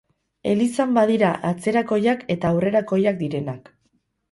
Elizan badira atzerakoiak eta aurrerakoiak direnak.